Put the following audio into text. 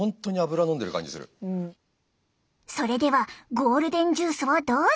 それではゴールデンジュースをどうぞ。